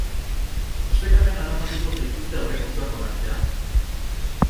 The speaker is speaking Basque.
Ustekabean harrapatuko zaituzte aurrekontuak onartzea?